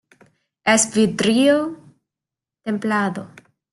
es vidrio templado.